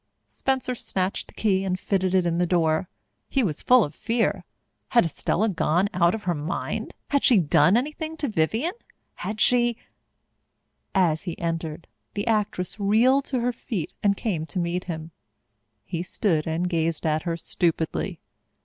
Spencer snatched the key and fitted it into the door. He was full of fear. Had Estella gone out of her mind? Had she done anything to Vivienne? Had she As he entered, the actress reeled to her feet and came to meet him. He stood and gazed at her stupidly.